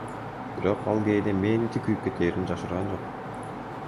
Бирок, ал кээде мээнети күйүп кетээрин жашырган жок.